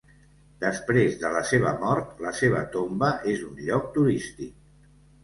Després de la seva mort la seva tomba és un lloc turístic.